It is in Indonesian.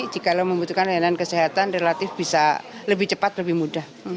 jika lo membutuhkan layanan kesehatan relatif bisa lebih cepat lebih mudah